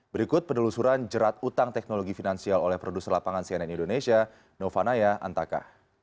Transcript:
berikut penelusuran jerat utang teknologi finansial oleh produser lapangan cnn indonesia novanaya antaka